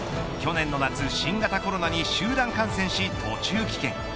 去年の夏、新型コロナに集団感染し途中棄権。